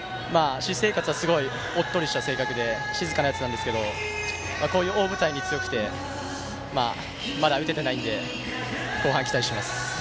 私生活はおっとりした性格で静かなやつなんですがこういう大舞台に強くてまだ打ててないので後半、期待します。